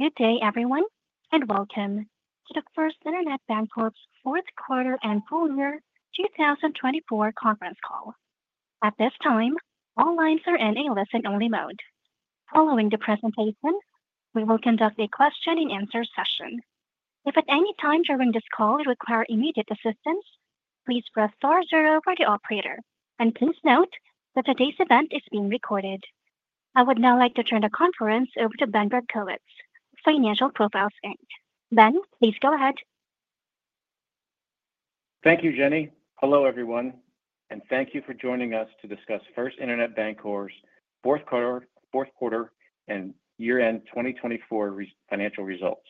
Good day, everyone, and welcome to the First Internet Bancorp's fourth quarter and full year 2024 conference call. At this time, all lines are in a listen-only mode. Following the presentation, we will conduct a question-and-answer session. If at any time during this call you require immediate assistance, please press star zero for the operator. And please note that today's event is being recorded. I would now like to turn the conference over to Ben Brodkowitz, Financial Profiles, Inc. Ben, please go ahead. Thank you, Jenny. Hello, everyone, and thank you for joining us to discuss First Internet Bancorp's fourth quarter and year-end 2024 financial results.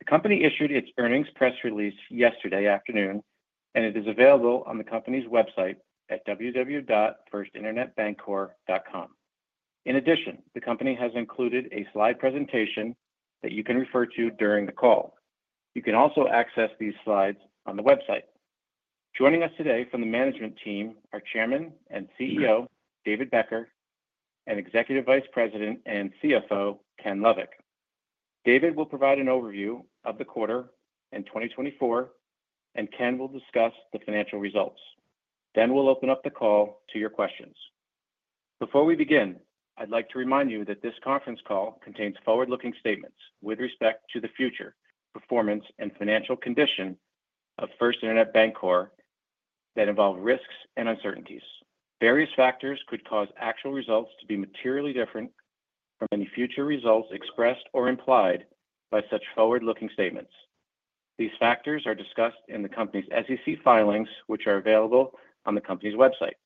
The company issued its earnings press release yesterday afternoon, and it is available on the company's website at www.firstinternetbancorp.com. In addition, the company has included a slide presentation that you can refer to during the call. You can also access these slides on the website. Joining us today from the management team are Chairman and CEO David Becker, and Executive Vice President and CFO Ken Lovik. David will provide an overview of the quarter in 2024, and Ken will discuss the financial results. Then we'll open up the call to your questions. Before we begin, I'd like to remind you that this conference call contains forward-looking statements with respect to the future performance and financial condition of First Internet Bancorp that involve risks and uncertainties. Various factors could cause actual results to be materially different from any future results expressed or implied by such forward-looking statements. These factors are discussed in the company's SEC filings, which are available on the company's website.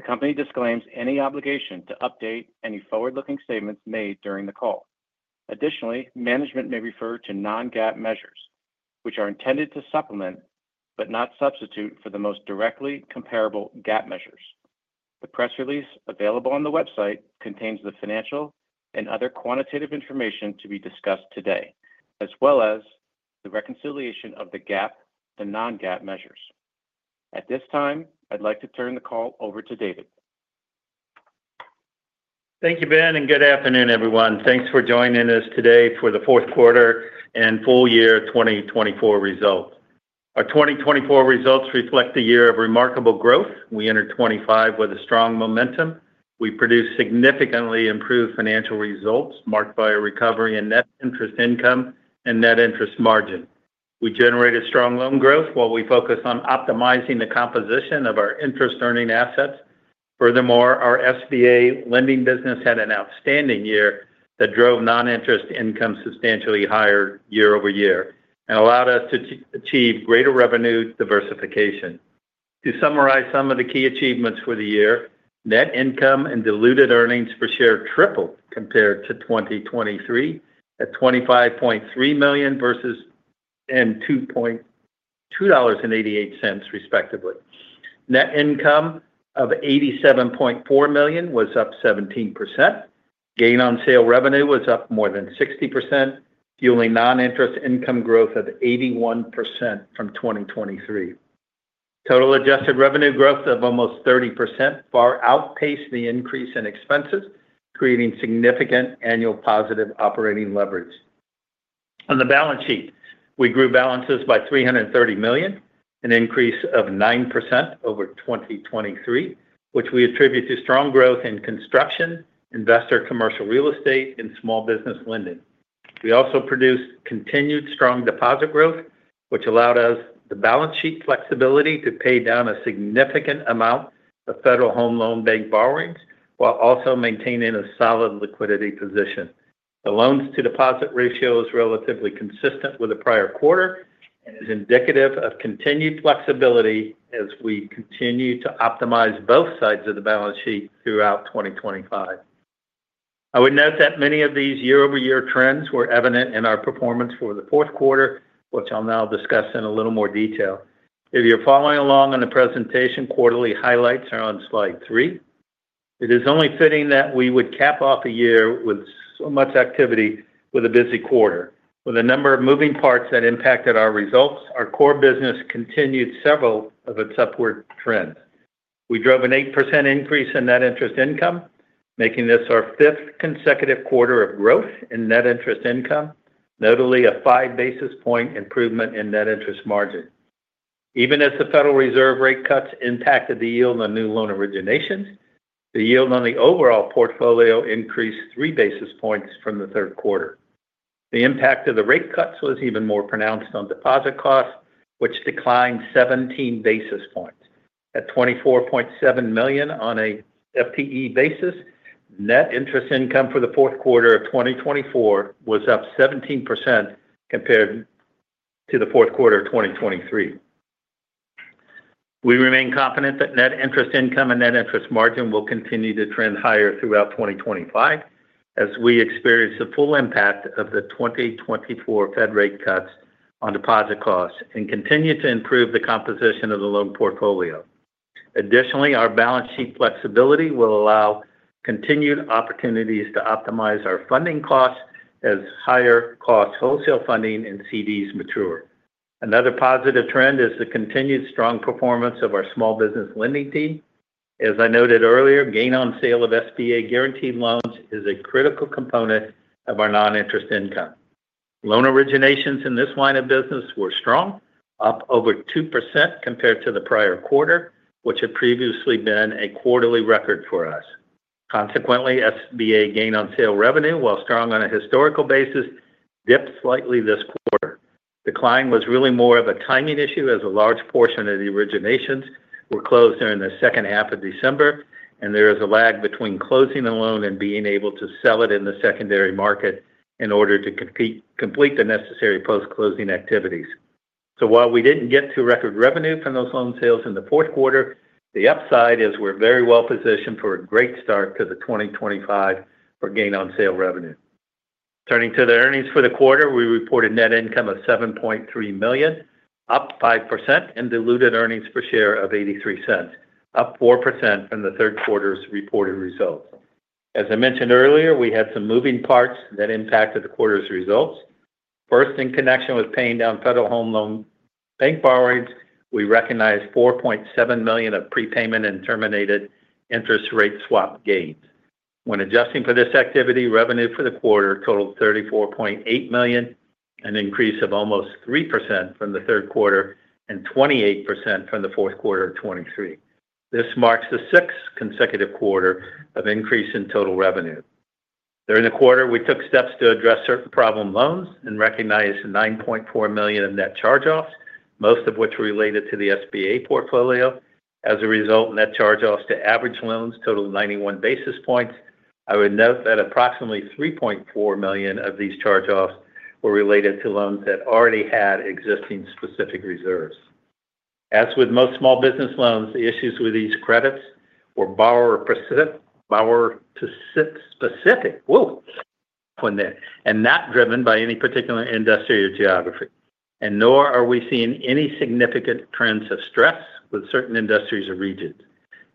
The company disclaims any obligation to update any forward-looking statements made during the call. Additionally, management may refer to non-GAAP measures, which are intended to supplement but not substitute for the most directly comparable GAAP measures. The press release available on the website contains the financial and other quantitative information to be discussed today, as well as the reconciliation of the GAAP and non-GAAP measures. At this time, I'd like to turn the call over to David. Thank you, Ben, and good afternoon, everyone. Thanks for joining us today for the fourth quarter and full year 2024 results. Our 2024 results reflect a year of remarkable growth. We entered 2025 with a strong momentum. We produced significantly improved financial results marked by a recovery in net interest income and net interest margin. We generated strong loan growth while we focused on optimizing the composition of our interest-earning assets. Furthermore, our SBA lending business had an outstanding year that drove non-interest income substantially higher year-over-year and allowed us to achieve greater revenue diversification. To summarize some of the key achievements for the year, net income and diluted earnings per share tripled compared to 2023 at $25.3 million versus $2.288, respectively. Net income of $87.4 million was up 17%. Gain on sale revenue was up more than 60%, fueling non-interest income growth of 81% from 2023. Total adjusted revenue growth of almost 30% far outpaced the increase in expenses, creating significant annual positive operating leverage. On the balance sheet, we grew balances by $330 million, an increase of 9% over 2023, which we attribute to strong growth in construction, investor commercial real estate, and small business lending. We also produced continued strong deposit growth, which allowed us the balance sheet flexibility to pay down a significant amount of Federal Home Loan Bank borrowings while also maintaining a solid liquidity position. The loans-to-deposit ratio is relatively consistent with the prior quarter and is indicative of continued flexibility as we continue to optimize both sides of the balance sheet throughout 2025. I would note that many of these year-over-year trends were evident in our performance for the fourth quarter, which I'll now discuss in a little more detail. If you're following along on the presentation, quarterly highlights are on slide three. It is only fitting that we would cap off a year with so much activity with a busy quarter. With a number of moving parts that impacted our results, our core business continued several of its upward trends. We drove an 8% increase in net interest income, making this our fifth consecutive quarter of growth in net interest income, notably a five basis point improvement in net interest margin. Even as the Federal Reserve rate cuts impacted the yield on new loan originations, the yield on the overall portfolio increased three basis points from the third quarter. The impact of the rate cuts was even more pronounced on deposit costs, which declined 17 basis points. At $24.7 million on a FTE basis, net interest income for the fourth quarter of 2024 was up 17% compared to the fourth quarter of 2023. We remain confident that net interest income and net interest margin will continue to trend higher throughout 2025 as we experience the full impact of the 2024 Fed rate cuts on deposit costs and continue to improve the composition of the loan portfolio. Additionally, our balance sheet flexibility will allow continued opportunities to optimize our funding costs as higher-cost wholesale funding and CDs mature. Another positive trend is the continued strong performance of our small business lending team. As I noted earlier, gain on sale of SBA guaranteed loans is a critical component of our non-interest income. Loan originations in this line of business were strong, up over 2% compared to the prior quarter, which had previously been a quarterly record for us. Consequently, SBA gain on sale revenue, while strong on a historical basis, dipped slightly this quarter. Decline was really more of a timing issue as a large portion of the originations were closed during the second half of December, and there is a lag between closing a loan and being able to sell it in the secondary market in order to complete the necessary post-closing activities, so while we didn't get to record revenue from those loan sales in the fourth quarter, the upside is we're very well positioned for a great start to the 2025 for gain on sale revenue. Turning to the earnings for the quarter, we reported net income of $7.3 million, up 5%, and diluted earnings per share of $0.83, up 4% from the third quarter's reported results. As I mentioned earlier, we had some moving parts that impacted the quarter's results. First, in connection with paying down Federal Home Loan Bank borrowings, we recognized $4.7 million of prepayment and terminated interest rate swap gains. When adjusting for this activity, revenue for the quarter totaled $34.8 million, an increase of almost 3% from the third quarter and 28% from the fourth quarter of 2023. This marks the sixth consecutive quarter of increase in total revenue. During the quarter, we took steps to address certain problem loans and recognized $9.4 million of net charge-offs, most of which related to the SBA portfolio. As a result, net charge-offs to average loans totaled 91 basis points. I would note that approximately $3.4 million of these charge-offs were related to loans that already had existing specific reserves. As with most small business loans, the issues with these credits were borrower-specific, and not driven by any particular industry or geography. Nor are we seeing any significant trends of stress with certain industries or regions.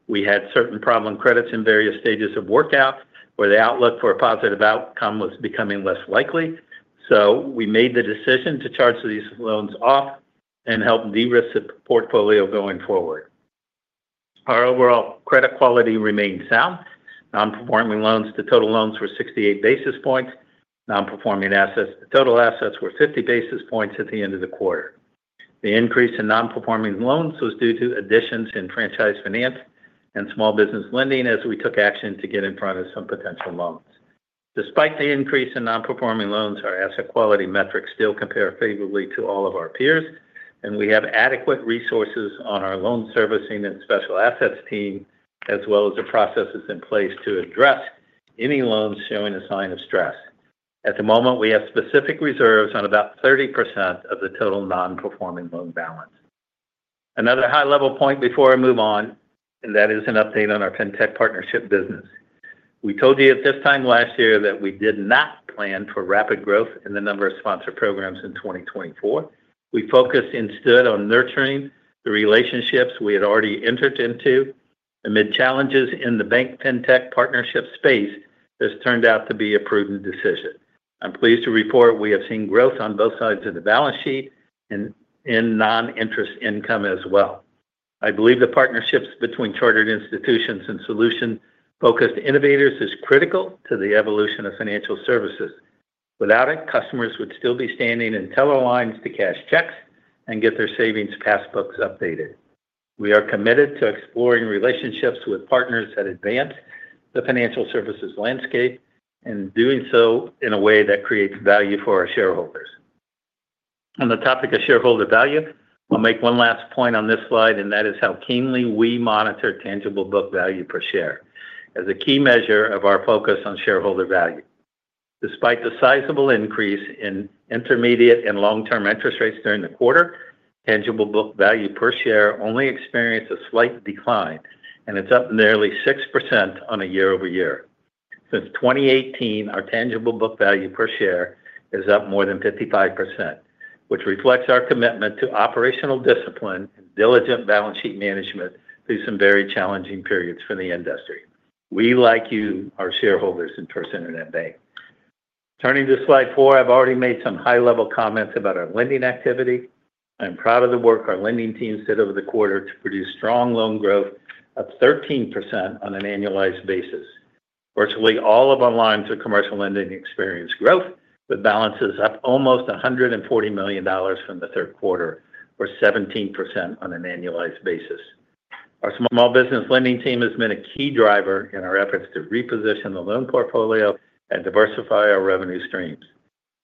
We had certain problem credits in various stages of workout where the outlook for a positive outcome was becoming less likely. We made the decision to charge these loans off and help de-risk the portfolio going forward. Our overall credit quality remained sound. Non-performing loans to total loans were 68 basis points. Non-performing assets to total assets were 50 basis points at the end of the quarter. The increase in non-performing loans was due to additions in franchise finance and small business lending as we took action to get in front of some potential loans. Despite the increase in non-performing loans, our asset quality metrics still compare favorably to all of our peers, and we have adequate resources on our loan servicing and special assets team, as well as the processes in place to address any loans showing a sign of stress. At the moment, we have specific reserves on about 30% of the total non-performing loan balance. Another high-level point before I move on, and that is an update on our FinTech partnership business. We told you at this time last year that we did not plan for rapid growth in the number of sponsored programs in 2024. We focused instead on nurturing the relationships we had already entered into. Amid challenges in the bank FinTech partnership space, this turned out to be a prudent decision. I'm pleased to report we have seen growth on both sides of the balance sheet and in non-interest income as well. I believe the partnerships between chartered institutions and solution-focused innovators is critical to the evolution of financial services. Without it, customers would still be standing in teller lines to cash checks and get their savings passbooks updated. We are committed to exploring relationships with partners that advance the financial services landscape and doing so in a way that creates value for our shareholders. On the topic of shareholder value, I'll make one last point on this slide, and that is how keenly we monitor tangible book value per share as a key measure of our focus on shareholder value. Despite the sizable increase in intermediate and long-term interest rates during the quarter, tangible book value per share only experienced a slight decline, and it's up nearly 6% on a year-over-year. Since 2018, our tangible book value per share is up more than 55%, which reflects our commitment to operational discipline and diligent balance sheet management through some very challenging periods for the industry. We like you, our shareholders at First Internet Bank. Turning to slide four, I've already made some high-level comments about our lending activity. I'm proud of the work our lending team did over the quarter to produce strong loan growth of 13% on an annualized basis. Virtually all of our lines of commercial lending experienced growth, with balances up almost $140 million from the third quarter, or 17% on an annualized basis. Our small business lending team has been a key driver in our efforts to reposition the loan portfolio and diversify our revenue streams.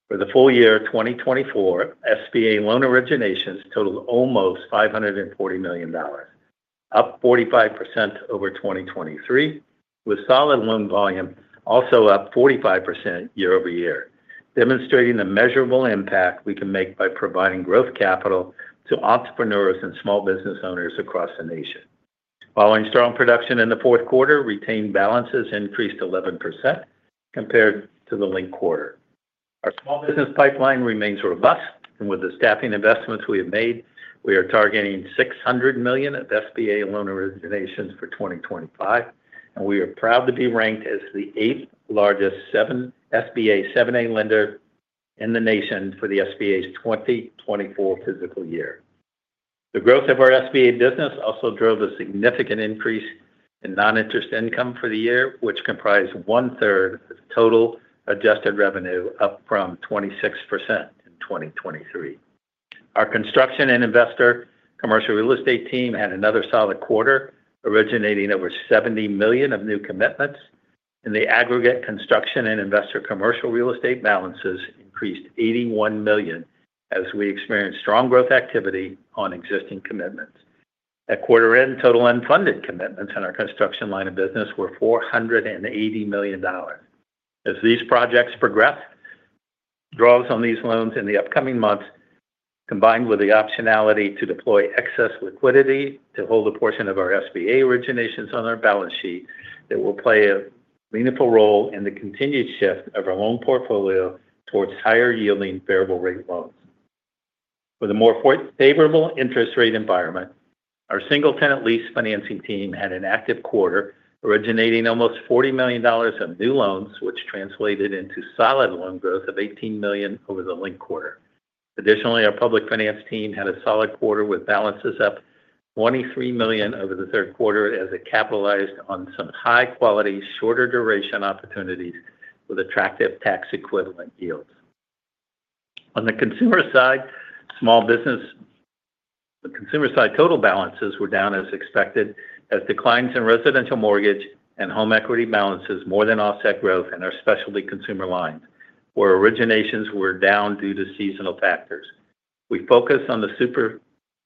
For the full year 2024, SBA loan originations totaled almost $540 million, up 45% over 2023, with solid loan volume also up 45% year-over-year, demonstrating the measurable impact we can make by providing growth capital to entrepreneurs and small business owners across the nation. Following strong production in the fourth quarter, retained balances increased 11% compared to the linked quarter. Our small business pipeline remains robust, and with the staffing investments we have made, we are targeting $600 million of SBA loan originations for 2025, and we are proud to be ranked as the eighth largest SBA 7(a) lender in the nation for the SBA's 2024 fiscal year. The growth of our SBA business also drove a significant increase in non-interest income for the year, which comprised one-third of total adjusted revenue, up from 26% in 2023. Our construction and investor commercial real estate team had another solid quarter, originating over $70 million of new commitments, and the aggregate construction and investor commercial real estate balances increased $81 million as we experienced strong growth activity on existing commitments. At quarter-end, total unfunded commitments on our construction line of business were $480 million. As these projects progress, draws on these loans in the upcoming months, combined with the optionality to deploy excess liquidity to hold a portion of our SBA originations on our balance sheet, it will play a meaningful role in the continued shift of our loan portfolio towards higher-yielding variable-rate loans. With a more favorable interest rate environment, our single-tenant lease financing team had an active quarter, originating almost $40 million of new loans, which translated into solid loan growth of $18 million over the linked quarter. Additionally, our public finance team had a solid quarter with balances up $23 million over the third quarter as it capitalized on some high-quality, shorter-duration opportunities with attractive tax-equivalent yields. On the consumer side, small business the consumer-side total balances were down as expected as declines in residential mortgage and home equity balances more than offset growth in our specialty consumer lines, where originations were down due to seasonal factors. We focused on the super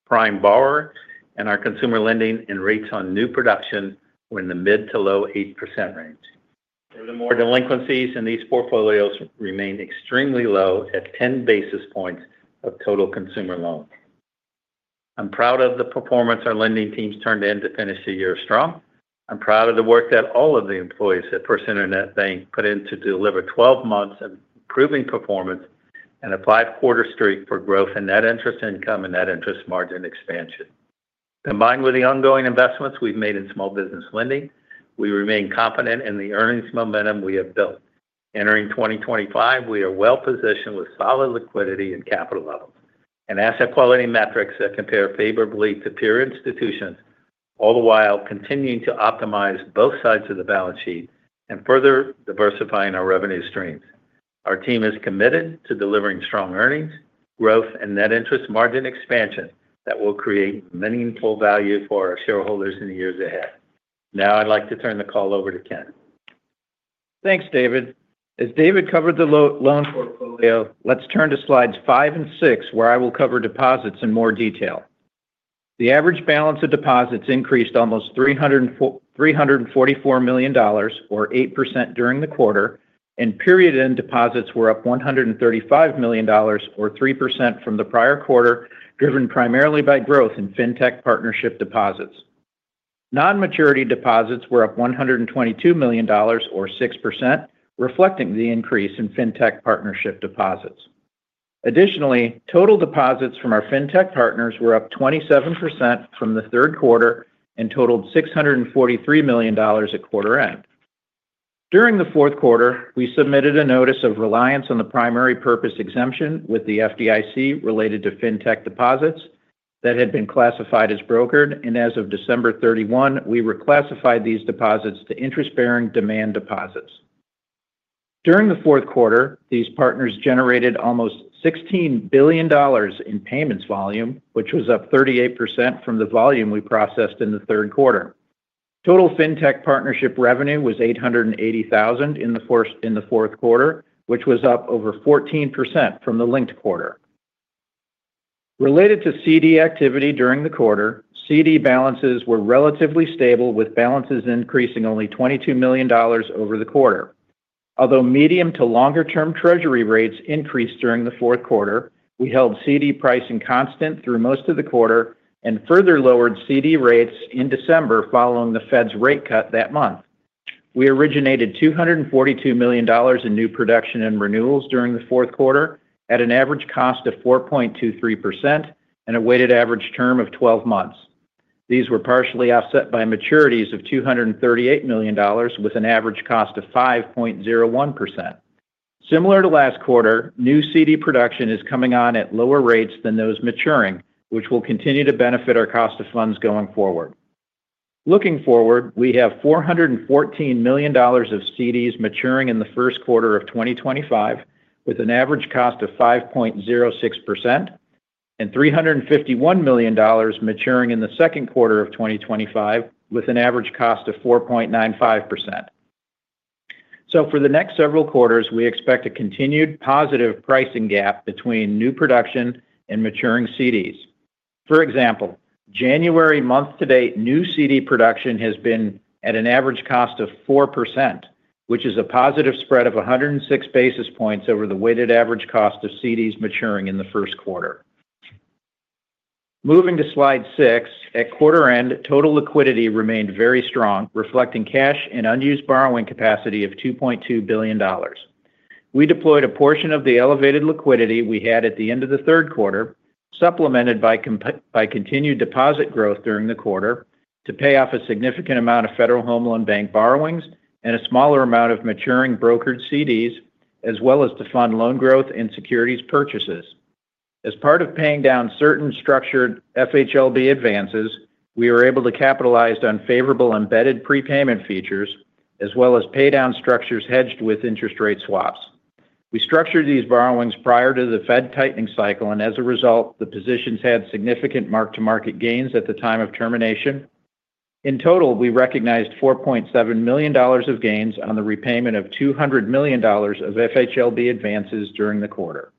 prime borrower, and our consumer lending and rates on new production were in the mid to low 8% range. Furthermore, delinquencies in these portfolios remained extremely low at 10 basis points of total consumer loans. I'm proud of the performance our lending teams turned in to finish the year strong. I'm proud of the work that all of the employees at First Internet Bank put in to deliver 12 months of improving performance and a five-quarter streak for growth in net interest income and net interest margin expansion. Combined with the ongoing investments we've made in small business lending, we remain confident in the earnings momentum we have built. Entering 2025, we are well positioned with solid liquidity and capital levels and asset quality metrics that compare favorably to peer institutions, all the while continuing to optimize both sides of the balance sheet and further diversifying our revenue streams. Our team is committed to delivering strong earnings, growth, and net interest margin expansion that will create meaningful value for our shareholders in the years ahead. Now, I'd like to turn the call over to Ken. Thanks, David. As David covered the loan portfolio, let's turn to slides five and six, where I will cover deposits in more detail. The average balance of deposits increased almost $344 million, or 8% during the quarter, and period-end deposits were up $135 million, or 3% from the prior quarter, driven primarily by growth in FinTech partnership deposits. Non-maturity deposits were up $122 million, or 6%, reflecting the increase in FinTech partnership deposits. Additionally, total deposits from our FinTech partners were up 27% from the third quarter and totaled $643 million at quarter-end. During the fourth quarter, we submitted a notice of reliance on the Primary Purpose Exception with the FDIC related to FinTech deposits that had been classified as brokered, and as of December 31, we reclassified these deposits to interest-bearing demand deposits. During the fourth quarter, these partners generated almost $16 billion in payments volume, which was up 38% from the volume we processed in the third quarter. Total FinTech partnership revenue was $880,000 in the fourth quarter, which was up over 14% from the linked quarter. Related to CD activity during the quarter, CD balances were relatively stable, with balances increasing only $22 million over the quarter. Although medium to longer-term Treasury rates increased during the fourth quarter, we held CD pricing constant through most of the quarter and further lowered CD rates in December following the Fed's rate cut that month. We originated $242 million in new production and renewals during the fourth quarter at an average cost of 4.23% and a weighted average term of 12 months. These were partially offset by maturities of $238 million, with an average cost of 5.01%. Similar to last quarter, new CD production is coming on at lower rates than those maturing, which will continue to benefit our cost of funds going forward. Looking forward, we have $414 million of CDs maturing in the first quarter of 2025, with an average cost of 5.06%, and $351 million maturing in the second quarter of 2025, with an average cost of 4.95%. So for the next several quarters, we expect a continued positive pricing gap between new production and maturing CDs. For example, January month-to-date, new CD production has been at an average cost of 4%, which is a positive spread of 106 basis points over the weighted average cost of CDs maturing in the first quarter. Moving to slide six, at quarter-end, total liquidity remained very strong, reflecting cash and unused borrowing capacity of $2.2 billion. We deployed a portion of the elevated liquidity we had at the end of the third quarter, supplemented by continued deposit growth during the quarter, to pay off a significant amount of Federal Home Loan Bank borrowings and a smaller amount of maturing brokered CDs, as well as to fund loan growth and securities purchases. As part of paying down certain structured FHLB advances, we were able to capitalize on favorable embedded prepayment features, as well as paydown structures hedged with interest rate swaps. We structured these borrowings prior to the Fed tightening cycle, and as a result, the positions had significant mark-to-market gains at the time of termination. In total, we recognized $4.7 million of gains on the repayment of $200 million of FHLB advances during the quarter.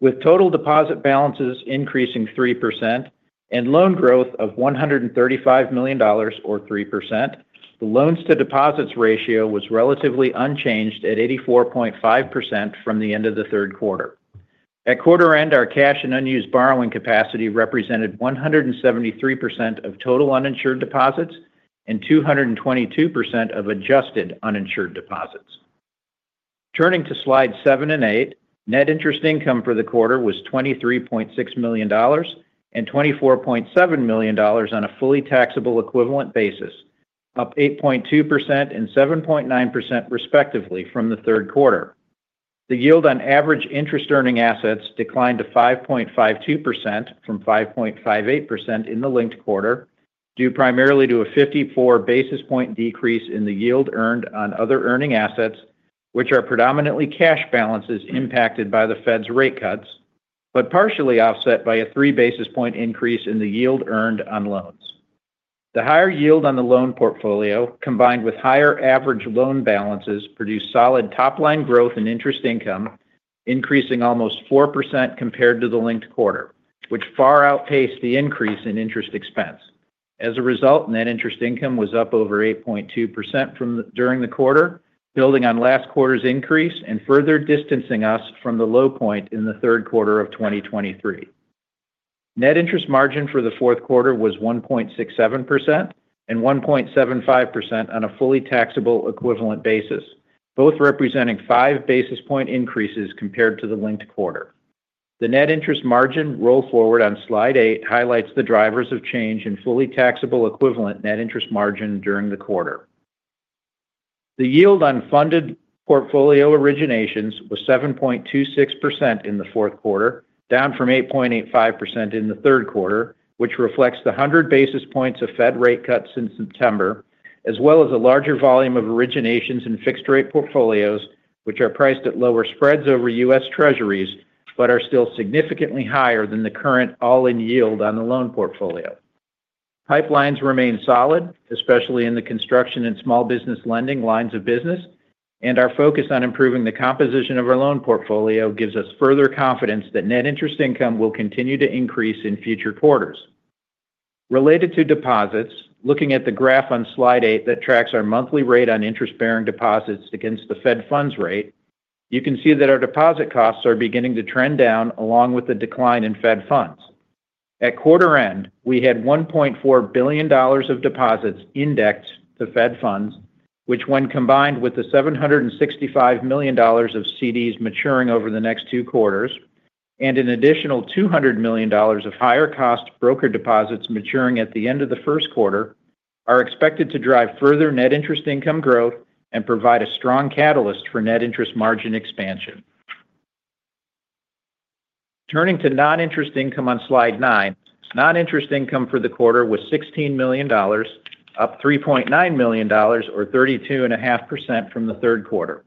With total deposit balances increasing 3% and loan growth of $135 million, or 3%, the loans-to-deposits ratio was relatively unchanged at 84.5% from the end of the third quarter. At quarter-end, our cash and unused borrowing capacity represented 173% of total uninsured deposits and 222% of adjusted uninsured deposits. Turning to slides seven and eight, net interest income for the quarter was $23.6 million and $24.7 million on a fully taxable equivalent basis, up 8.2% and 7.9%, respectively, from the third quarter. The yield on average interest-earning assets declined to 5.52% from 5.58% in the linked quarter, due primarily to a 54 basis points decrease in the yield earned on other earning assets, which are predominantly cash balances impacted by the Fed's rate cuts, but partially offset by a three basis points increase in the yield earned on loans. The higher yield on the loan portfolio, combined with higher average loan balances, produced solid top-line growth in interest income, increasing almost 4% compared to the linked quarter, which far outpaced the increase in interest expense. As a result, net interest income was up over 8.2% during the quarter, building on last quarter's increase and further distancing us from the low point in the third quarter of 2023. Net interest margin for the fourth quarter was 1.67% and 1.75% on a fully taxable equivalent basis, both representing five basis point increases compared to the linked quarter. The net interest margin rolled forward on slide eight highlights the drivers of change in fully taxable equivalent net interest margin during the quarter. The yield on funded portfolio originations was 7.26% in the fourth quarter, down from 8.85% in the third quarter, which reflects the 100 basis points of Fed rate cuts since September, as well as a larger volume of originations in fixed-rate portfolios, which are priced at lower spreads over U.S. Treasuries but are still significantly higher than the current all-in yield on the loan portfolio. Pipelines remain solid, especially in the construction and small business lending lines of business, and our focus on improving the composition of our loan portfolio gives us further confidence that net interest income will continue to increase in future quarters. Related to deposits, looking at the graph on slide eight that tracks our monthly rate on interest-bearing deposits against the Fed funds rate, you can see that our deposit costs are beginning to trend down along with the decline in Fed funds. At quarter-end, we had $1.4 billion of deposits indexed to Fed funds, which, when combined with the $765 million of CDs maturing over the next two quarters and an additional $200 million of higher-cost brokered deposits maturing at the end of the first quarter, are expected to drive further net interest income growth and provide a strong catalyst for net interest margin expansion. Turning to non-interest income on slide nine, non-interest income for the quarter was $16 million, up $3.9 million, or 32.5% from the third quarter.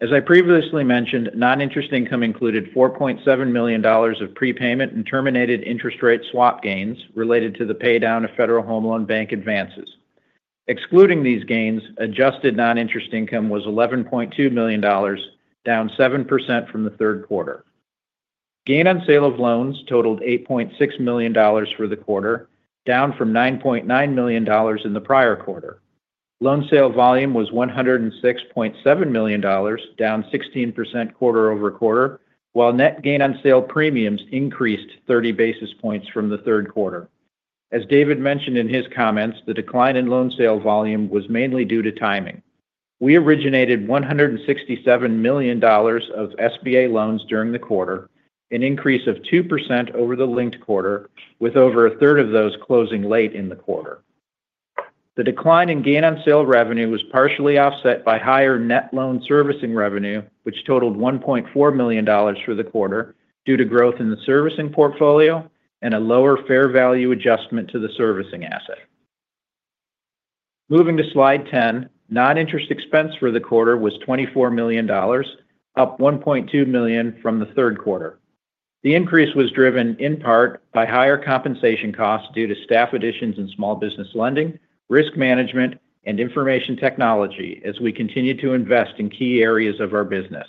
As I previously mentioned, non-interest income included $4.7 million of prepayment and terminated interest rate swap gains related to the paydown of Federal Home Loan Bank advances. Excluding these gains, adjusted non-interest income was $11.2 million, down 7% from the third quarter. Gain on sale of loans totaled $8.6 million for the quarter, down from $9.9 million in the prior quarter. Loan sale volume was $106.7 million, down 16% quarter-over-quarter, while net gain on sale premiums increased 30 basis points from the third quarter. As David mentioned in his comments, the decline in loan sale volume was mainly due to timing. We originated $167 million of SBA loans during the quarter, an increase of 2% over the linked quarter, with over a third of those closing late in the quarter. The decline in gain on sale revenue was partially offset by higher net loan servicing revenue, which totaled $1.4 million for the quarter due to growth in the servicing portfolio and a lower fair value adjustment to the servicing asset. Moving to slide 10, non-interest expense for the quarter was $24 million, up $1.2 million from the third quarter. The increase was driven in part by higher compensation costs due to staff additions in small business lending, risk management, and information technology as we continued to invest in key areas of our business.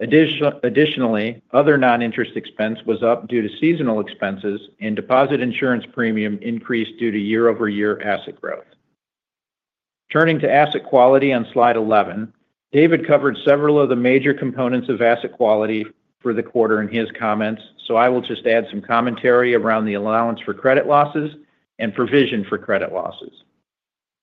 Additionally, other non-interest expense was up due to seasonal expenses and deposit insurance premium increase due to year-over-year asset growth. Turning to asset quality on slide 11, David covered several of the major components of asset quality for the quarter in his comments, so I will just add some commentary around the allowance for credit losses and provision for credit losses.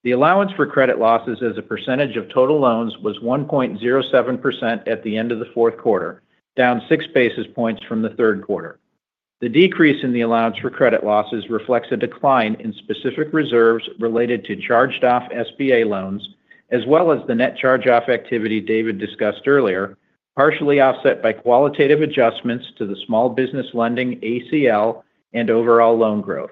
The allowance for credit losses as a percentage of total loans was 1.07% at the end of the fourth quarter, down six basis points from the third quarter. The decrease in the allowance for credit losses reflects a decline in specific reserves related to charged-off SBA loans, as well as the net charge-off activity David discussed earlier, partially offset by qualitative adjustments to the small business lending ACL and overall loan growth.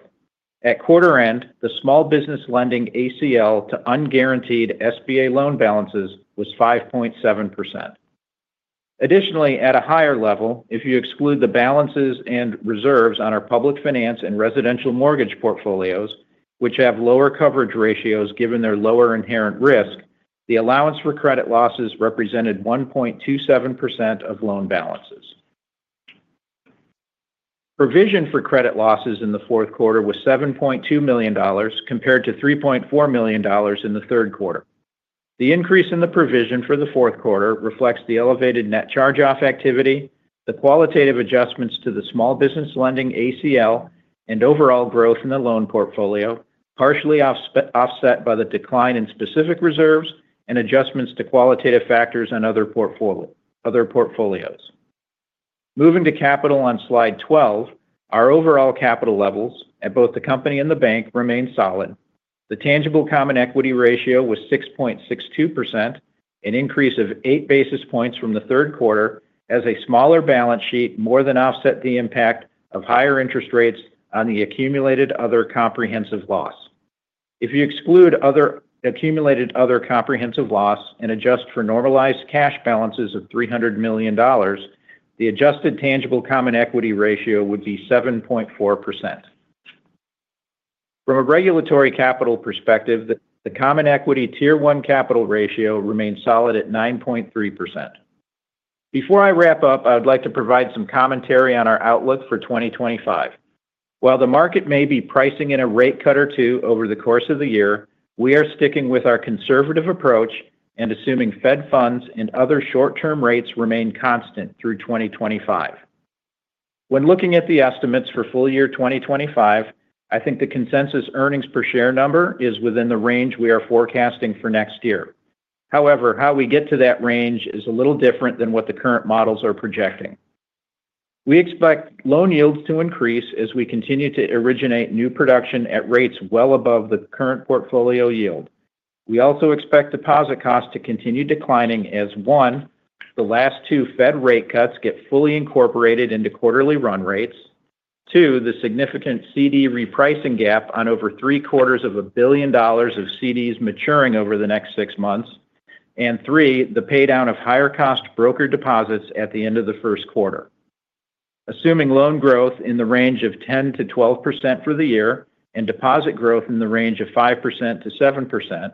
At quarter-end, the small business lending ACL to unguaranteed SBA loan balances was 5.7%. Additionally, at a higher level, if you exclude the balances and reserves on our public finance and residential mortgage portfolios, which have lower coverage ratios given their lower inherent risk, the allowance for credit losses represented 1.27% of loan balances. Provision for credit losses in the fourth quarter was $7.2 million compared to $3.4 million in the third quarter. The increase in the provision for the fourth quarter reflects the elevated net charge-off activity, the qualitative adjustments to the small business lending ACL, and overall growth in the loan portfolio, partially offset by the decline in specific reserves and adjustments to qualitative factors on other portfolios. Moving to capital on slide 12, our overall capital levels at both the company and the bank remain solid. The tangible common equity ratio was 6.62%, an increase of eight basis points from the third quarter, as a smaller balance sheet more than offset the impact of higher interest rates on the accumulated other comprehensive loss. If you exclude the accumulated other comprehensive loss and adjust for normalized cash balances of $300 million, the adjusted tangible common equity ratio would be 7.4%. From a regulatory capital perspective, the common equity tier one capital ratio remains solid at 9.3%. Before I wrap up, I would like to provide some commentary on our outlook for 2025. While the market may be pricing in a rate cut or two over the course of the year, we are sticking with our conservative approach and assuming Fed funds and other short-term rates remain constant through 2025. When looking at the estimates for full year 2025, I think the consensus earnings per share number is within the range we are forecasting for next year. However, how we get to that range is a little different than what the current models are projecting. We expect loan yields to increase as we continue to originate new production at rates well above the current portfolio yield. We also expect deposit costs to continue declining as, one, the last two Fed rate cuts get fully incorporated into quarterly run rates. Two, the significant CD repricing gap on over $750 million of CDs maturing over the next six months. And three, the paydown of higher-cost brokered deposits at the end of the first quarter. Assuming loan growth in the range of 10%-12% for the year and deposit growth in the range of 5%-7%,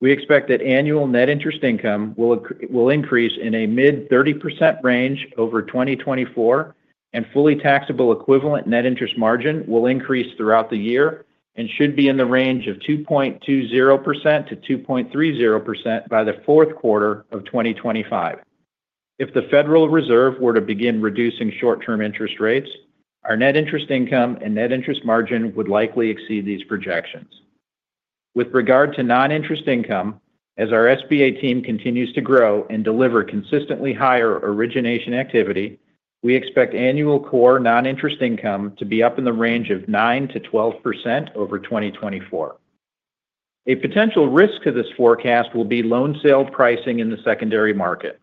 we expect that annual net interest income will increase in a mid-30% range over 2024, and fully taxable equivalent net interest margin will increase throughout the year and should be in the range of 2.20%-2.30% by the fourth quarter of 2025. If the Federal Reserve were to begin reducing short-term interest rates, our net interest income and net interest margin would likely exceed these projections. With regard to non-interest income, as our SBA team continues to grow and deliver consistently higher origination activity, we expect annual core non-interest income to be up in the range of 9%-12% over 2024. A potential risk to this forecast will be loan sale pricing in the secondary market.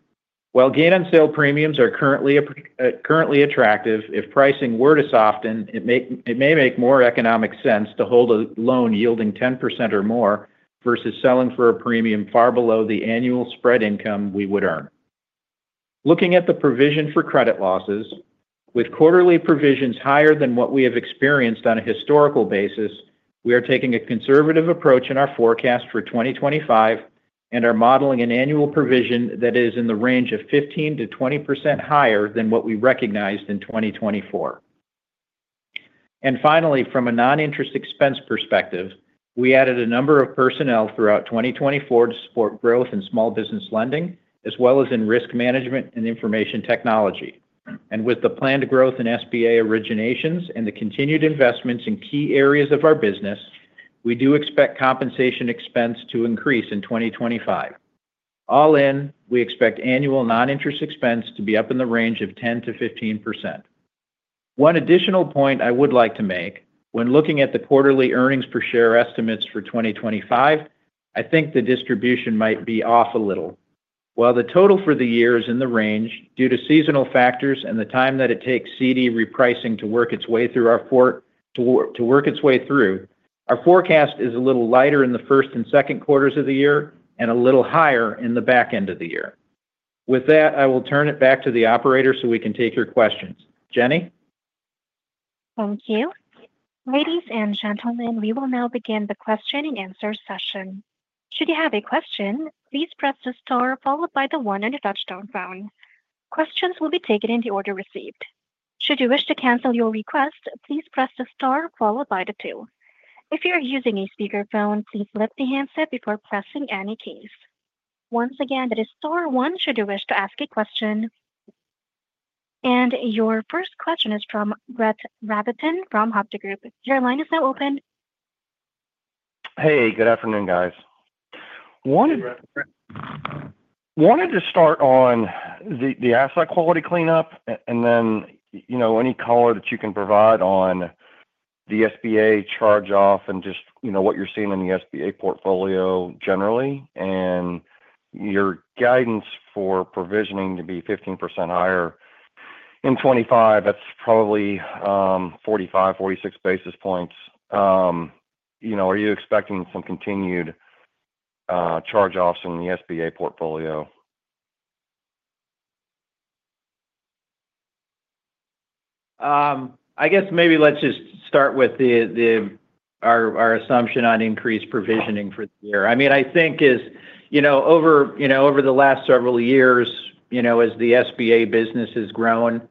While gain on sale premiums are currently attractive, if pricing were to soften, it may make more economic sense to hold a loan yielding 10% or more versus selling for a premium far below the annual spread income we would earn. Looking at the provision for credit losses, with quarterly provisions higher than what we have experienced on a historical basis, we are taking a conservative approach in our forecast for 2025 and are modeling an annual provision that is in the range of 15%-20% higher than what we recognized in 2024. Finally, from a Non-Interest Expense perspective, we added a number of personnel throughout 2024 to support growth in small business lending, as well as in risk management and information technology. With the planned growth in SBA originations and the continued investments in key areas of our business, we do expect compensation expense to increase in 2025. All in, we expect annual Non-Interest Expense to be up in the range of 10%-15%. One additional point I would like to make: when looking at the quarterly earnings per share estimates for 2025, I think the distribution might be off a little. While the total for the year is in the range due to seasonal factors and the time that it takes CD repricing to work its way through our portfolio, our forecast is a little lighter in the first and second quarters of the year and a little higher in the back end of the year. With that, I will turn it back to the operator so we can take your questions. Jenny? Thank you. Ladies and gentlemen, we will now begin the question-and-answer session. Should you have a question, please press the star followed by the one on the touch-tone phone. Questions will be taken in the order received. Should you wish to cancel your request, please press the star followed by the two. If you are using a speakerphone, please lift the handset before pressing any keys. Once again, that is star one should you wish to ask a question. And your first question is from Brett Rabatin from Hovde Group. Your line is now open. Hey, good afternoon, guys. Wanted to start on the asset quality cleanup and then any color that you can provide on the SBA charge-off and just what you're seeing in the SBA portfolio generally and your guidance for provisioning to be 15% higher. In 2025, that's probably 45-46 basis points. Are you expecting some continued charge-offs in the SBA portfolio? I guess maybe let's just start with our assumption on increased provisioning for the year. I mean, I think over the last several years, as the SBA business has grown,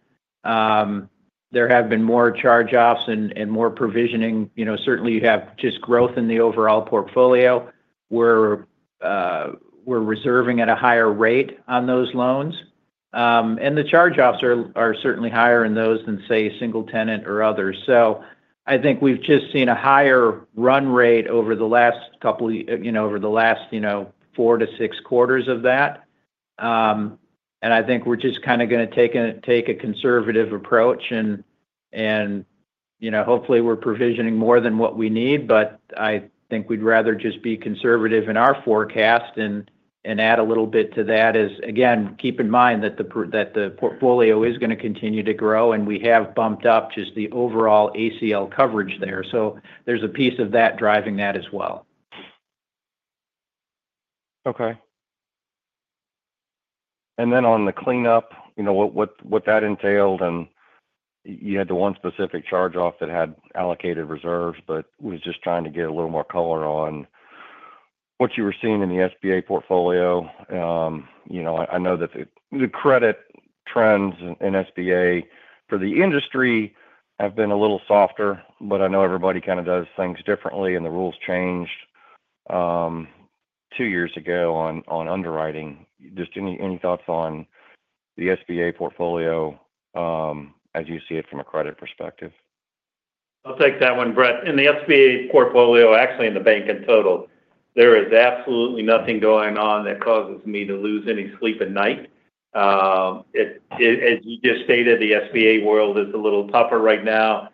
there have been more charge-offs and more provisioning. Certainly, you have just growth in the overall portfolio. We're reserving at a higher rate on those loans. And the charge-offs are certainly higher in those than, say, single tenant or others. So I think we've just seen a higher run rate over the last four to six quarters of that. And I think we're just kind of going to take a conservative approach. And hopefully, we're provisioning more than what we need, but I think we'd rather just be conservative in our forecast and add a little bit to that. Again, keep in mind that the portfolio is going to continue to grow, and we have bumped up just the overall ACL coverage there. So there's a piece of that driving that as well. Okay. Then on the cleanup, what that entailed, and you had the one specific charge-off that had allocated reserves, but I was just trying to get a little more color on what you were seeing in the SBA portfolio. I know that the credit trends in SBA for the industry have been a little softer, but I know everybody kind of does things differently, and the rules changed two years ago on underwriting. Just any thoughts on the SBA portfolio as you see it from a credit perspective? I'll take that one, Brett. In the SBA portfolio, actually in the bank in total, there is absolutely nothing going on that causes me to lose any sleep at night. As you just stated, the SBA world is a little tougher right now.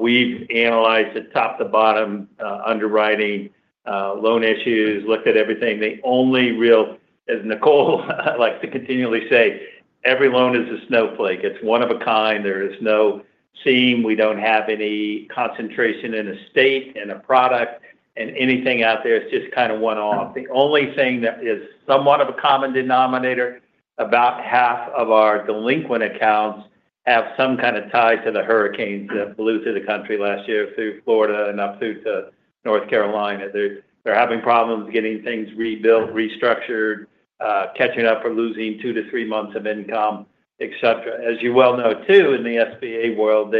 We've analyzed the top to bottom underwriting loan issues, looked at everything. The only real, as Nicole likes to continually say, every loan is a snowflake. It's one of a kind. There is no theme. We don't have any concentration in a state and a product and anything out there. It's just kind of one-off. The only thing that is somewhat of a common denominator, about half of our delinquent accounts have some kind of tie to the hurricanes that blew through the country last year through Florida and up through to North Carolina. They're having problems getting things rebuilt, restructured, catching up or losing two to three months of income, etc. As you well know, too, in the SBA world,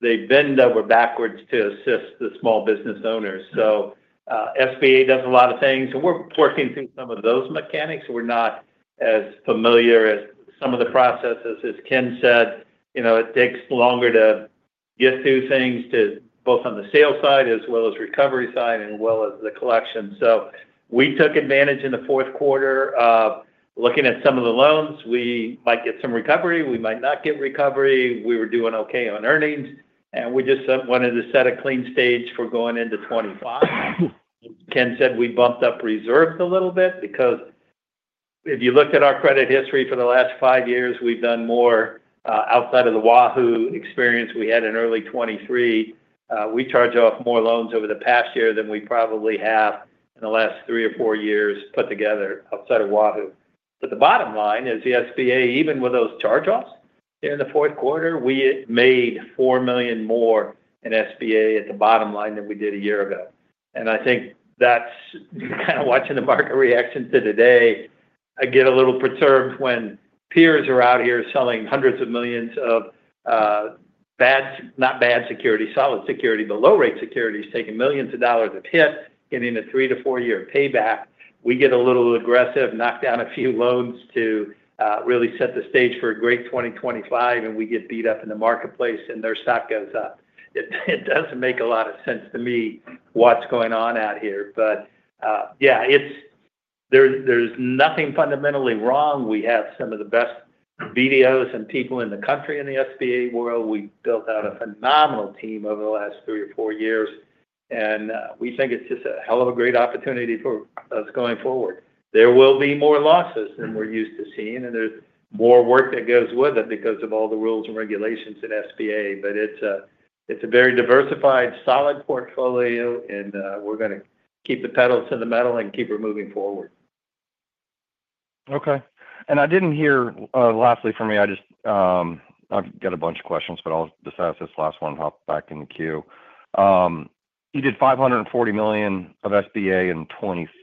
they bend over backwards to assist the small business owners. So SBA does a lot of things, and we're working through some of those mechanics. We're not as familiar as some of the processes. As Ken said, it takes longer to get through things both on the sale side as well as recovery side and as well as the collection. So we took advantage in the fourth quarter of looking at some of the loans. We might get some recovery. We might not get recovery. We were doing okay on earnings, and we just wanted to set a clean stage for going into 2025. Ken said we bumped up reserves a little bit because if you looked at our credit history for the last five years, we've done more outside of the Wahoo experience we had in early 2023. We charge off more loans over the past year than we probably have in the last three or four years put together outside of Wahoo. But the bottom line is the SBA, even with those charge-offs here in the fourth quarter, we made four million more in SBA at the bottom line than we did a year ago. And I think that's kind of watching the market reaction to today. I get a little perturbed when peers are out here selling hundreds of millions of bad, not bad security, solid security, but low-rate securities taking millions of dollars of hit, getting a three- to four-year payback. We get a little aggressive, knock down a few loans to really set the stage for a great 2025, and we get beat up in the marketplace and their stock goes up. It doesn't make a lot of sense to me what's going on out here. But yeah, there's nothing fundamentally wrong. We have some of the best VPs and people in the country in the SBA world. We built out a phenomenal team over the last three or four years, and we think it's just a hell of a great opportunity for us going forward. There will be more losses than we're used to seeing, and there's more work that goes with it because of all the rules and regulations at SBA. But it's a very diversified, solid portfolio, and we're going to keep the pedal to the metal and keep her moving forward. Okay, and I didn't hear lastly from you. I've got a bunch of questions, but I'll decide this last one and hop back in the queue. You did $540 million of SBA in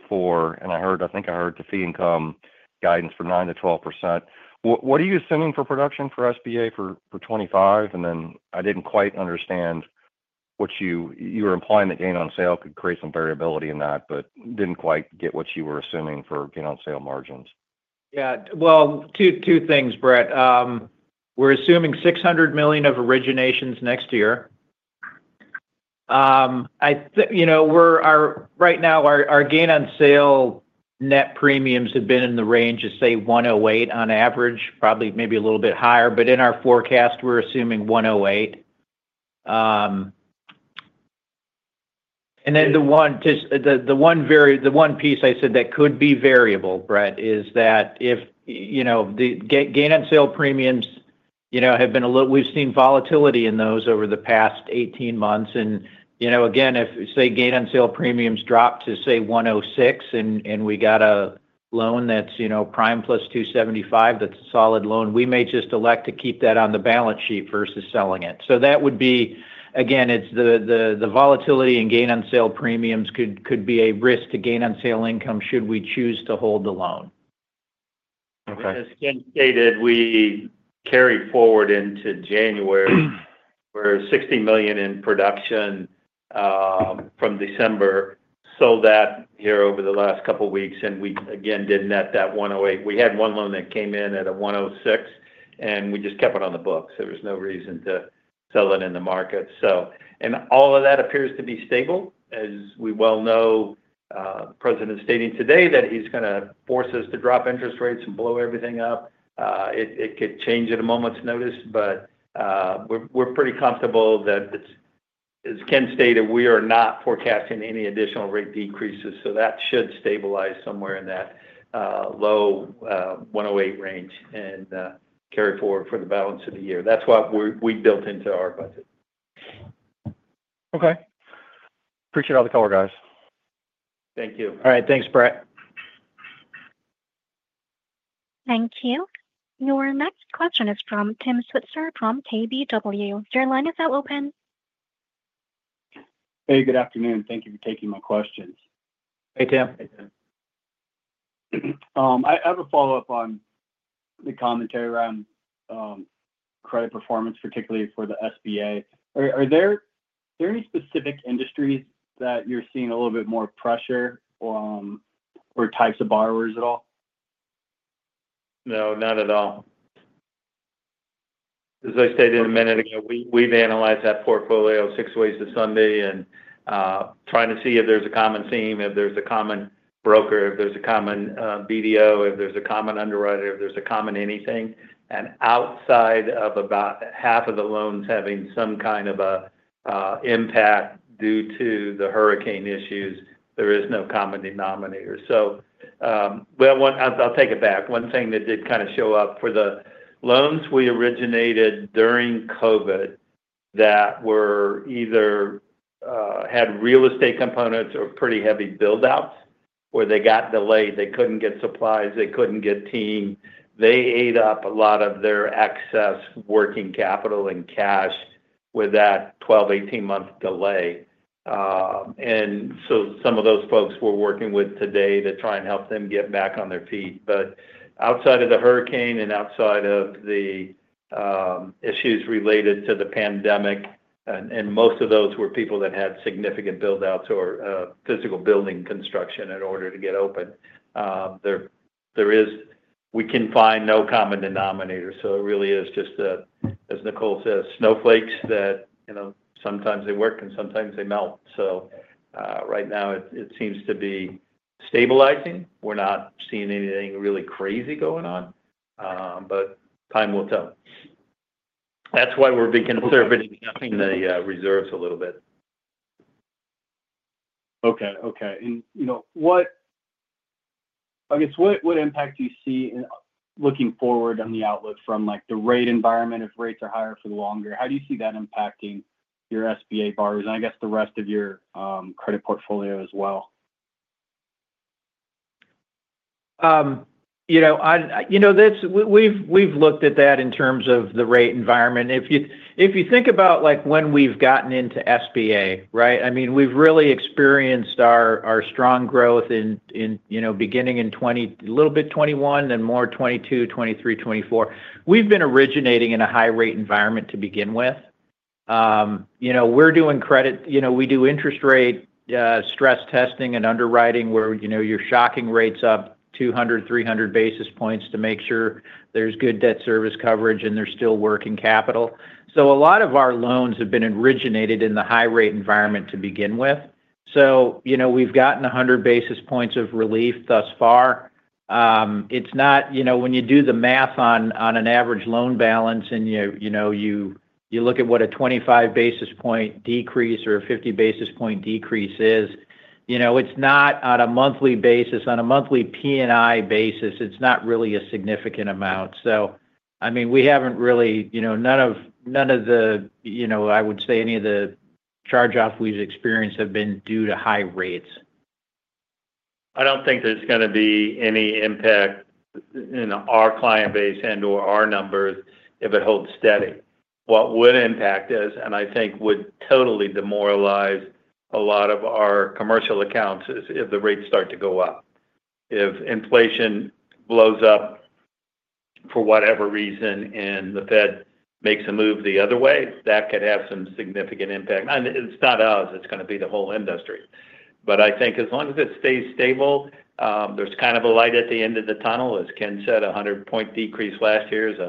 2024, and I think I heard the fee income guidance for 9%-12%. What are you assuming for production for SBA for 2025? Then I didn't quite understand what you were implying, that gain on sale could create some variability in that, but didn't quite get what you were assuming for gain on sale margins. Yeah. Well, two things, Brett. We're assuming $600 million of originations next year. Right now, our gain on sale net premiums have been in the range of, say, 108 on average, probably maybe a little bit higher, but in our forecast, we're assuming 108. Then the one piece I said that could be variable, Brett, is that if the gain on sale premiums have been a little, we've seen volatility in those over the past 18 months. Again, if, say, gain on sale premiums drop to, say, 106 and we got a loan that's prime +275, that's a solid loan, we may just elect to keep that on the balance sheet versus selling it. So that would be, again, it's the volatility in gain on sale premiums could be a risk to gain on sale income should we choose to hold the loan. As Ken stated, we carried forward into January. We're $60 million in production from December sold out here over the last couple of weeks, and we again did net that 108. We had one loan that came in at a 106, and we just kept it on the books. There was no reason to sell it in the market, and all of that appears to be stable. As we well know, the president is stating today that he's going to force us to drop interest rates and blow everything up. It could change at a moment's notice, but we're pretty comfortable that, as Ken stated, we are not forecasting any additional rate decreases. So that should stabilize somewhere in that low 108 range and carry forward for the balance of the year. That's what we built into our budget. Okay. Appreciate all the color, guys. Thank you. All right. Thanks, Brett. Thank you. Your next question is from Tim Switzer from KBW. Your line is that open. Hey, good afternoon. Thank you for taking my questions. Hey, Tim. I have a follow-up on the commentary around credit performance, particularly for the SBA. Are there any specific industries that you're seeing a little bit more pressure or types of borrowers at all? No, not at all. As I stated a minute ago, we've analyzed that portfolio six ways to Sunday and trying to see if there's a common theme, if there's a common broker, if there's a common BDO, if there's a common underwriter, if there's a common anything. Outside of about half of the loans having some kind of an impact due to the hurricane issues, there is no common denominator. I'll take it back. One thing that did kind of show up for the loans we originated during COVID that either had real estate components or pretty heavy buildouts where they got delayed. They couldn't get supplies. They couldn't get team. They ate up a lot of their excess working capital and cash with that 12-18-month delay. So some of those folks we're working with today to try and help them get back on their feet. Outside of the hurricane and outside of the issues related to the pandemic, and most of those were people that had significant buildouts or physical building construction in order to get open, we can find no common denominator. So it really is just, as Nicole says, snowflakes that sometimes they work and sometimes they melt. So right now, it seems to be stabilizing. We're not seeing anything really crazy going on, but time will tell. That's why we're beginning to start putting the reserves a little bit. Okay. Okay. And I guess what impact do you see looking forward on the outlook from the rate environment if rates are higher for the longer? How do you see that impacting your SBA borrowers and I guess the rest of your credit portfolio as well? We've looked at that in terms of the rate environment. If you think about when we've gotten into SBA, right, I mean, we've really experienced our strong growth beginning in a little bit 2021 and more 2022, 2023, 2024. We've been originating in a high-rate environment to begin with. We're doing credit. We do interest rate stress testing and underwriting where you're shocking rates up 200, 300 basis points to make sure there's good debt service coverage and there's still working capital. So a lot of our loans have been originated in the high-rate environment to begin with. So we've gotten 100 basis points of relief thus far. It's not, when you do the math on an average loan balance and you look at what a 25 basis point decrease or a 50 basis point decrease is, it's not on a monthly basis, on a monthly P&I basis. It's not really a significant amount. So I mean, we haven't really none of the, I would say, any of the charge-offs we've experienced have been due to high rates. I don't think there's going to be any impact in our client base and/or our numbers if it holds steady. What would impact is, and I think would totally demoralize a lot of our commercial accounts is if the rates start to go up. If inflation blows up for whatever reason and the Fed makes a move the other way, that could have some significant impact. And it's not us. It's going to be the whole industry. But I think as long as it stays stable, there's kind of a light at the end of the tunnel, as Ken said, a 100-point decrease last year is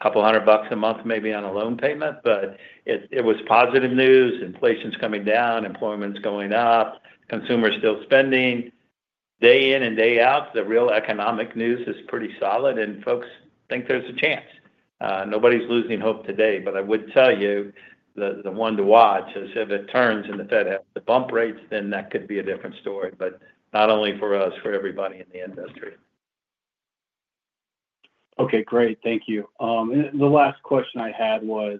a couple hundred bucks a month maybe on a loan payment. But it was positive news. Inflation's coming down. Employment's going up. Consumers still spending. Day in and day out, the real economic news is pretty solid, and folks think there's a chance. Nobody's losing hope today, but I would tell you the one to watch is if it turns and the Fed has to bump rates, then that could be a different story, but not only for us, for everybody in the industry. Okay. Great. Thank you. The last question I had was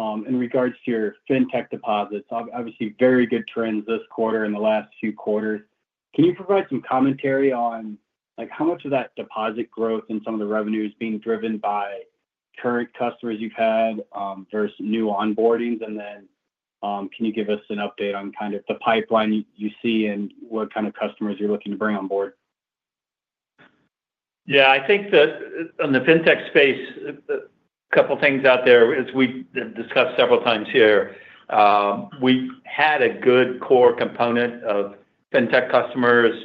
in regards to your fintech deposits. Obviously, very good trends this quarter and the last few quarters. Can you provide some commentary on how much of that deposit growth and some of the revenues being driven by current customers you've had versus new onboardings? And then can you give us an update on kind of the pipeline you see and what kind of customers you're looking to bring on board? Yeah. I think that on the fintech space, a couple of things out there as we discussed several times here. We had a good core component of fintech customers.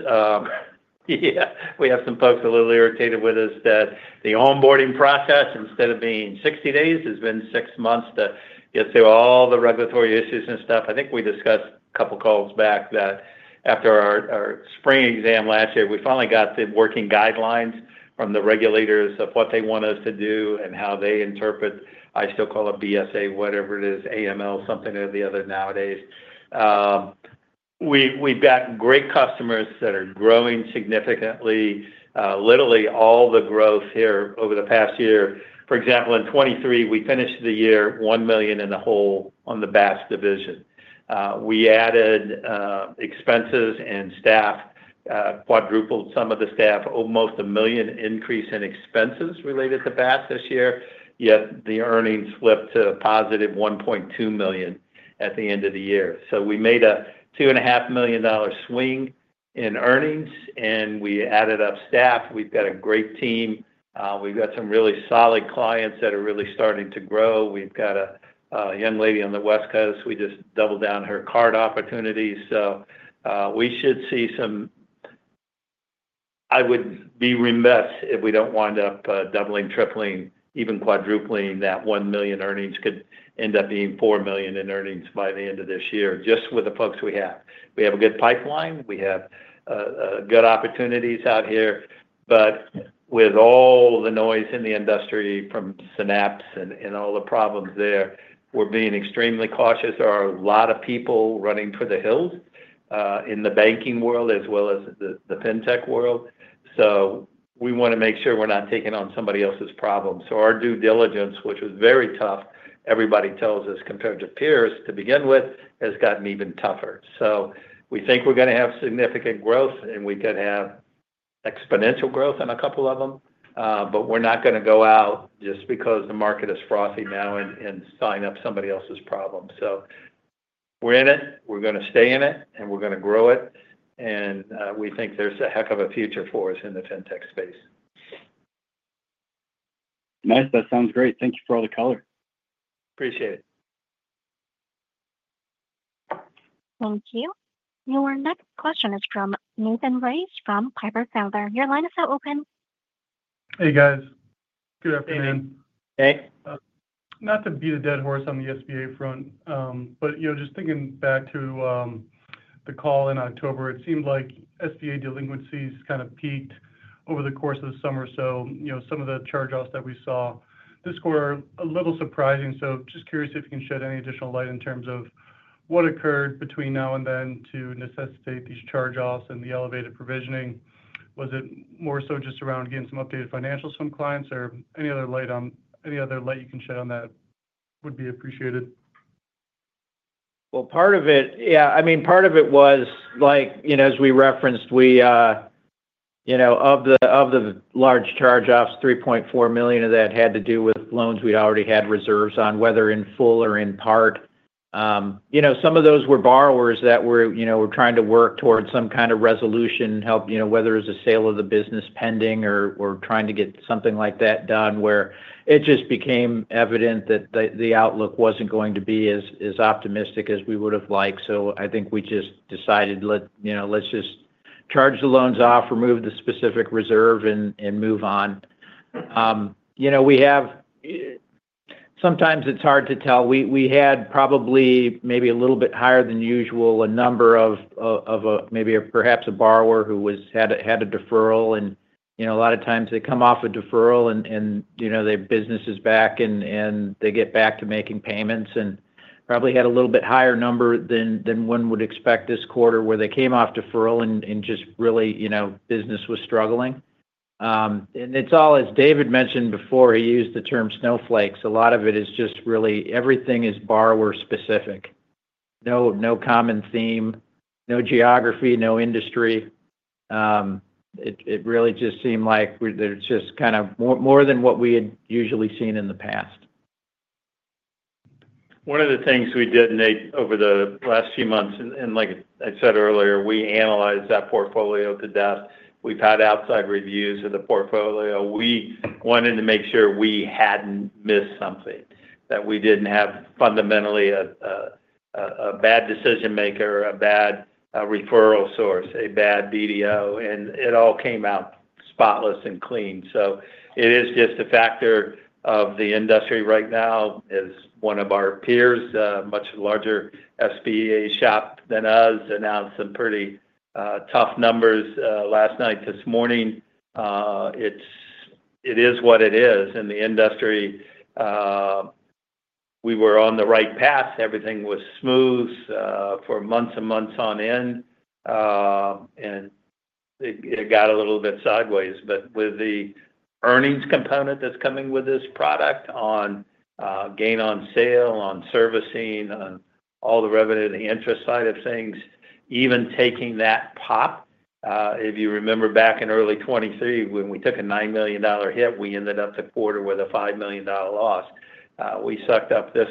We have some folks a little irritated with us that the onboarding process, instead of being 60 days, has been six months to get through all the regulatory issues and stuff. I think we discussed a couple of calls back that after our spring exam last year, we finally got the working guidelines from the regulators of what they want us to do and how they interpret. I still call it BSA, whatever it is, AML, something or the other nowadays. We've got great customers that are growing significantly. Literally, all the growth here over the past year. For example, in 2023, we finished the year $1.5 million on the BaaS division. We added expenses and staff, quadrupled some of the staff, almost $1 million increase in expenses related to BAS this year, yet the earnings flipped to a positive $1.2 million at the end of the year, so we made a $2.5 million swing in earnings, and we added staff. We've got a great team. We've got some really solid clients that are really starting to grow. We've got a young lady on the West Coast. We just doubled down her card opportunities. So we should see some. I would be remiss if we don't wind up doubling, tripling, even quadrupling that $1 million earnings could end up being $4 million in earnings by the end of this year just with the folks we have. We have a good pipeline. We have good opportunities out here. But with all the noise in the industry from Synapse and all the problems there, we're being extremely cautious. There are a lot of people running for the hills in the banking world as well as the fintech world. So we want to make sure we're not taking on somebody else's problem. So our due diligence, which was very tough, everybody tells us compared to peers to begin with, has gotten even tougher. So we think we're going to have significant growth, and we could have exponential growth on a couple of them, but we're not going to go out just because the market is frothy now and sign up somebody else's problem. So we're in it. We're going to stay in it, and we're going to grow it. And we think there's a heck of a future for us in the fintech space. Nice. That sounds great. Thank you for all the color. Appreciate it. Thank you. Your next question is from Nathan Race from Piper Sandler. Your line is that open? Hey, guys. Good afternoon. Hey. Not to beat a dead horse on the SBA front, but just thinking back to the call in October, it seemed like SBA delinquencies kind of peaked over the course of the summer. So some of the charge-offs that we saw this quarter are a little surprising. So just curious if you can shed any additional light in terms of what occurred between now and then to necessitate these charge-offs and the elevated provisioning. Was it more so just around getting some updated financials from clients or any other light you can shed on that would be appreciated? Well, part of it, yeah. I mean, part of it was, as we referenced, of the large charge-offs, $3.4 million of that had to do with loans we'd already had reserves on, whether in full or in part. Some of those were borrowers that were trying to work towards some kind of resolution, whether it was a sale of the business pending or trying to get something like that done where it just became evident that the outlook wasn't going to be as optimistic as we would have liked. I think we just decided, "Let's just charge the loans off, remove the specific reserve, and move on." Sometimes it's hard to tell. We had probably maybe a little bit higher than usual a number of maybe perhaps a borrower who had a deferral. A lot of times they come off a deferral, and their business is back, and they get back to making payments and probably had a little bit higher number than one would expect this quarter where they came off deferral and just really business was struggling. It's all, as David mentioned before, he used the term snowflakes. A lot of it is just really everything is borrower-specific. No common theme, no geography, no industry. It really just seemed like there's just kind of more than what we had usually seen in the past. One of the things we did over the last few months, and like I said earlier, we analyzed that portfolio to death. We've had outside reviews of the portfolio. We wanted to make sure we hadn't missed something, that we didn't have fundamentally a bad decision maker, a bad referral source, a bad BDO, and it all came out spotless and clean. So it is just a factor of the industry right now. One of our peers, a much larger SBA shop than us, announced some pretty tough numbers last night, this morning. It is what it is. In the industry, we were on the right path. Everything was smooth for months and months on end, and it got a little bit sideways. But with the earnings component that's coming with this product on gain on sale, on servicing, on all the revenue and the interest side of things, even taking that pop. If you remember back in early 2023, when we took a $9 million hit, we ended up the quarter with a $5 million loss. We sucked up this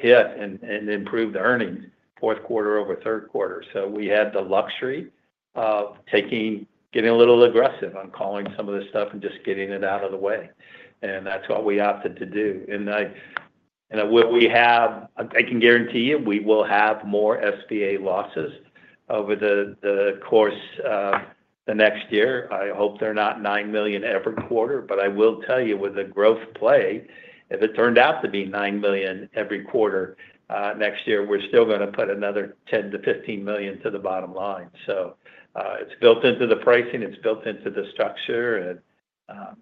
hit and improved earnings fourth quarter over third quarter, so we had the luxury of getting a little aggressive on calling some of this stuff and just getting it out of the way, and that's what we opted to do, and I can guarantee you we will have more SBA losses over the course of the next year. I hope they're not $9 million every quarter, but I will tell you with the growth play, if it turned out to be $9 million every quarter next year, we're still going to put another $10 million to $15 million to the bottom line, so it's built into the pricing. It's built into the structure, and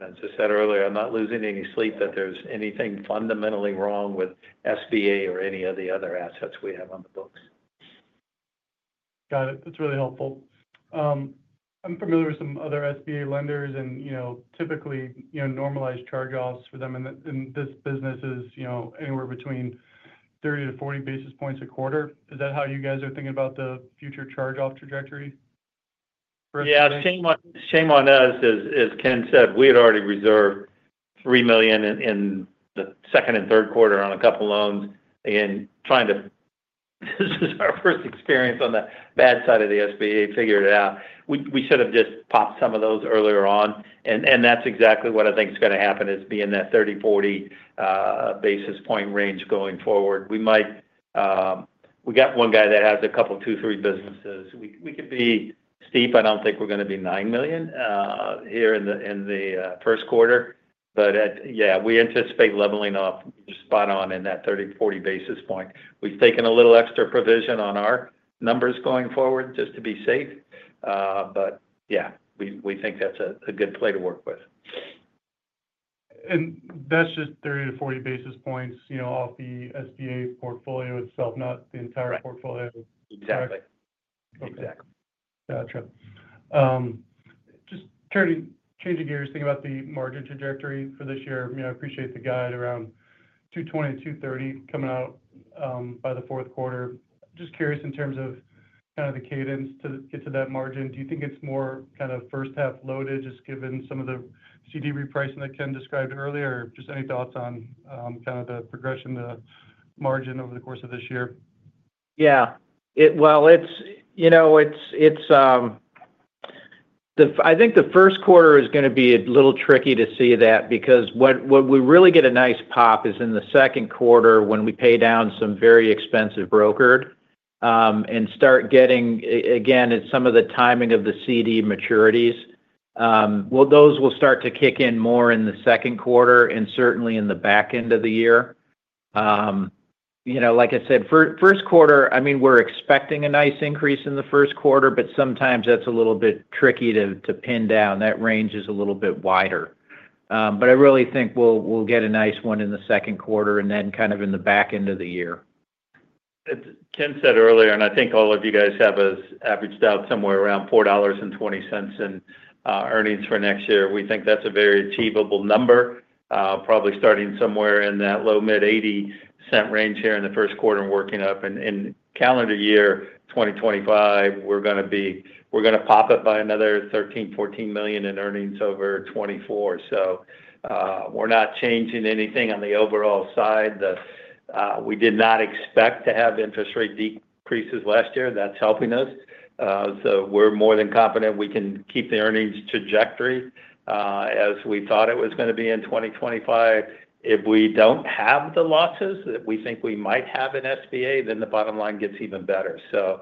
as I said earlier, I'm not losing any sleep that there's anything fundamentally wrong with SBA or any of the other assets we have on the books. Got it. That's really helpful. I'm familiar with some other SBA lenders, and typically, normalized charge-offs for them in this business is anywhere between 30-40 basis points a quarter. Is that how you guys are thinking about the future charge-off trajectory? Yeah. Same on us, as Ken said. We had already reserved $3 million in the second and third quarter on a couple of loans and trying to. This is our first experience on the bad side of the SBA figuring it out. We should have just popped some of those earlier on. And that's exactly what I think is going to happen is be in that 30-40 basis point range going forward. We got one guy that has a couple of two, three businesses. We could be steep. I don't think we're going to be $9 million here in the first quarter. But yeah, we anticipate leveling off spot on in that 30-40 basis points. We've taken a little extra provision on our numbers going forward just to be safe. But yeah, we think that's a good play to work with. And that's just 30-40 basis points off the SBA portfolio itself, not the entire portfolio. Exactly. Exactly. Gotcha. Just changing gears, thinking about the margin trajectory for this year. I appreciate the guide around 220-230 coming out by the fourth quarter. Just curious in terms of kind of the cadence to get to that margin. Do you think it's more kind of first-half loaded just given some of the CD repricing that Ken described earlier? Just any thoughts on kind of the progression of the margin over the course of this year? Yeah. I think the first quarter is going to be a little tricky to see that because what we really get a nice pop is in the second quarter when we pay down some very expensive brokered and start getting, again, some of the timing of the CD maturities. Those will start to kick in more in the second quarter and certainly in the back end of the year. Like I said, first quarter, I mean, we're expecting a nice increase in the first quarter, but sometimes that's a little bit tricky to pin down. That range is a little bit wider. I really think we'll get a nice one in the second quarter and then kind of in the back end of the year. As Ken said earlier, and I think all of you guys have averaged out somewhere around $4.20 in earnings for next year. We think that's a very achievable number, probably starting somewhere in that low mid-80 cent range here in the first quarter and working up. In calendar year 2025, we're going to pop it by another $13-14 million in earnings over 2024. So we're not changing anything on the overall side. We did not expect to have interest rate decreases last year. That's helping us. So we're more than confident we can keep the earnings trajectory as we thought it was going to be in 2025. If we don't have the losses that we think we might have in SBA, then the bottom line gets even better. So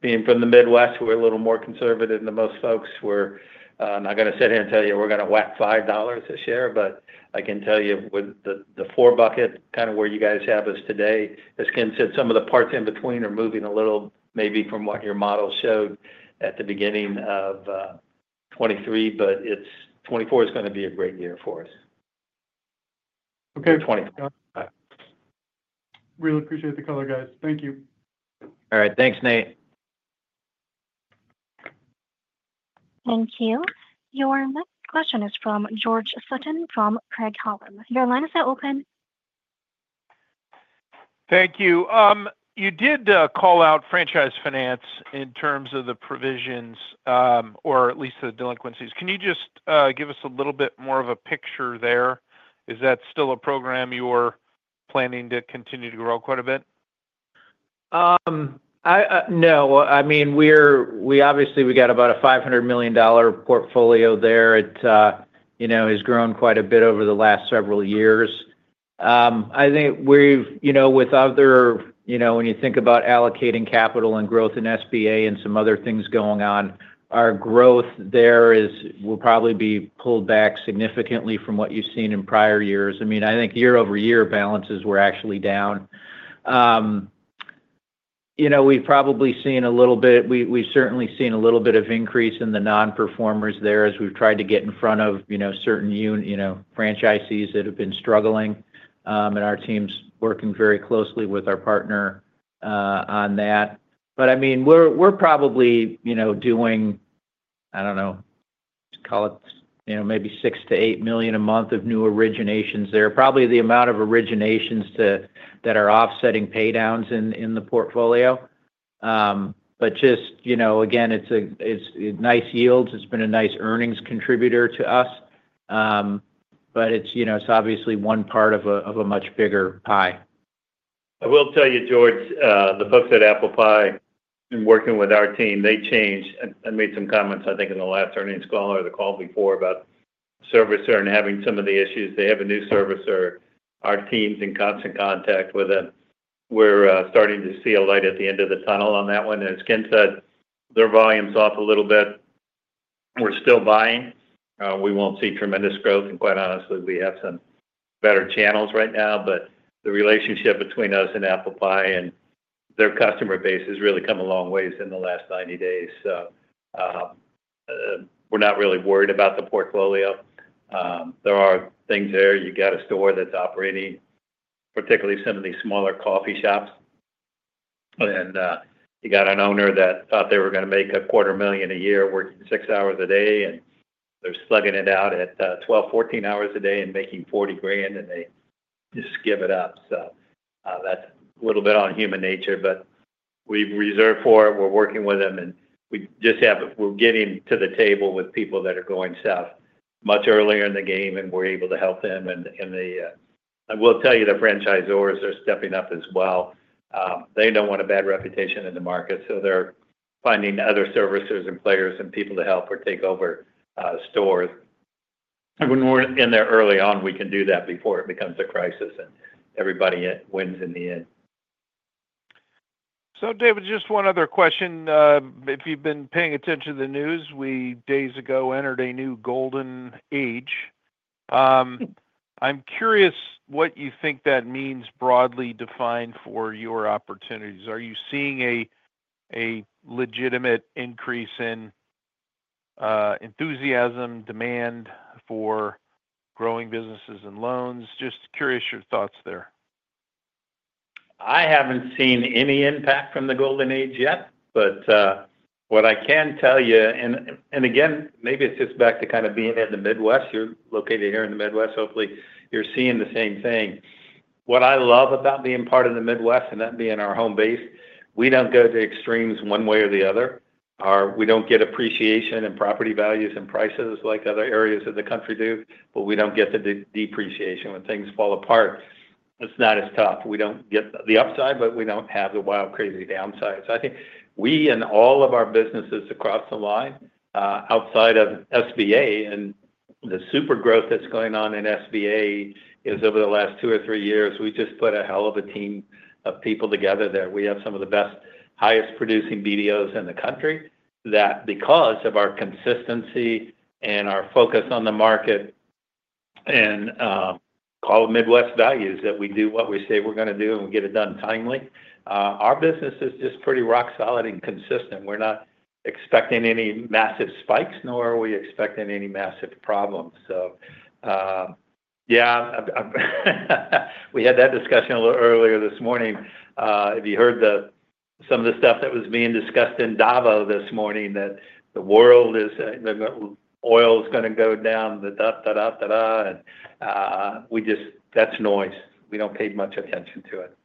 being from the Midwest, we're a little more conservative than most folks. We're not going to sit here and tell you we're going to whack $5 a share. But I can tell you with the four bucket kind of where you guys have us today, as Ken said, some of the parts in between are moving a little maybe from what your model showed at the beginning of 2023, but 2024 is going to be a great year for us. Okay. Really appreciate the color, guys. Thank you. All right. Thanks, Nate. Thank you. Your next question is from George Sutton from Craig-Hallum. Your line is open. Thank you. You did call out franchise finance in terms of the provisions or at least the delinquencies. Can you just give us a little bit more of a picture there? Is that still a program you're planning to continue to grow quite a bit? No. I mean, obviously, we got about a $500 million portfolio there. It has grown quite a bit over the last several years. I think with other when you think about allocating capital and growth in SBA and some other things going on, our growth there will probably be pulled back significantly from what you've seen in prior years. I mean, I think year-over-year balances were actually down. We've certainly seen a little bit of increase in the non-performers there as we've tried to get in front of certain franchisees that have been struggling, and our team's working very closely with our partner on that. But I mean, we're probably doing, I don't know, call it maybe $6 million-$8 million a month of new originations there. Probably the amount of originations that are offsetting paydowns in the portfolio. But just, again, it's nice yields. It's been a nice earnings contributor to us. But it's obviously one part of a much bigger pie. I will tell you, George, the folks at ApplePie and working with our team, they changed. I made some comments, I think, in the last earnings call or the call before about servicer and having some of the issues. They have a new servicer. Our team's in constant contact with them. We're starting to see a light at the end of the tunnel on that one. As Ken said, their volume's off a little bit. We're still buying. We won't see tremendous growth. And quite honestly, we have some better channels right now. But the relationship between us and ApplePie and their customer base has really come a long way in the last 90 days. So we're not really worried about the portfolio. There are things there. You got a store that's operating, particularly some of these smaller coffee shops. You got an owner that thought they were going to make $250,000 a year working six hours a day, and they're slugging it out at 12, 14 hours a day and making $40,000, and they just give it up. So that's a little bit on human nature. But we've reserved for it. We're working with them. And we're getting to the table with people that are going south much earlier in the game, and we're able to help them. And I will tell you, the franchisors are stepping up as well. They don't want a bad reputation in the market. So they're finding other servicers and players and people to help or take over stores. When we're in there early on, we can do that before it becomes a crisis, and everybody wins in the end. So, David, just one other question. If you've been paying attention to the news, a few days ago we entered a new golden age. I'm curious what you think that means broadly defined for your opportunities. Are you seeing a legitimate increase in enthusiasm, demand for growing businesses and loans? Just curious your thoughts there. I haven't seen any impact from the golden age yet, but what I can tell you and again, maybe it's just back to kind of being in the Midwest. You're located here in the Midwest. Hopefully, you're seeing the same thing. What I love about being part of the Midwest and that being our home base, we don't go to extremes one way or the other. We don't get appreciation and property values and prices like other areas of the country do, but we don't get the depreciation. When things fall apart, it's not as tough. We don't get the upside, but we don't have the wild, crazy downsides. I think we and all of our businesses across the line outside of SBA and the super growth that's going on in SBA is over the last two or three years. We just put a hell of a team of people together there. We have some of the best, highest-producing BDOs in the country that, because of our consistency and our focus on the market and call it Midwest values, that we do what we say we're going to do and we get it done timely. Our business is just pretty rock solid and consistent. We're not expecting any massive spikes, nor are we expecting any massive problems. So yeah, we had that discussion a little earlier this morning. If you heard some of the stuff that was being discussed in Davos this morning, that the world oil is going to go down, and that's noise. We don't pay much attention to it.